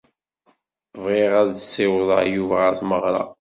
Bɣiɣ ad tessiwḍed Yuba ɣer tmeɣra.